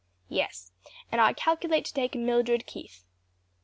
"Yes; and I calculate to take Mildred Keith."